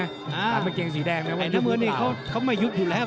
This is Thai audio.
ไอ้น้ำเงินเดียวก็ไม่ยุบอยู่แล้ว